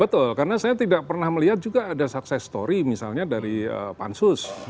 betul karena saya tidak pernah melihat juga ada sukses story misalnya dari pansus